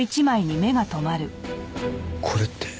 これって。